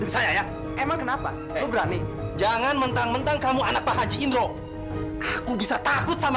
sampai jumpa di video selanjutnya